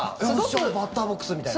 バッターボックスみたいな。